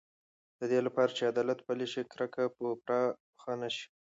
د دې لپاره چې عدالت پلی شي، کرکه به پراخه نه شي.